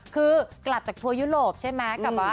คือกลับจากทัวร์ยุโรปใช่ไหม